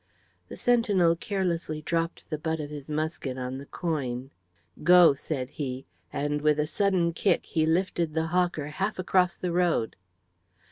The sentinel carelessly dropped the butt of his musket on the coin. "Go," said he, and with a sudden kick he lifted the hawker half across the road.